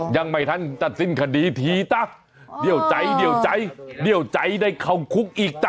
ยังไม่ทันจะตัดสินคดีทีตะเดี่ยวใจได้เข้าคุกอีกตะ